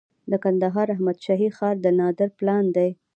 د کندهار احمد شاهي ښار د نادر پلان دی